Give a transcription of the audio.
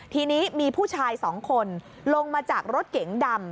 ทีนี้มีผู้ชายสองคนลงมาจากรถเก๋งดำ